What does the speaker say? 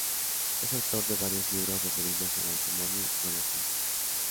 Es autor de varios libros referidos al automóvil y a la ciencia.